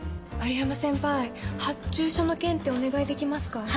丸山先輩発注書の件ってお願いできますか？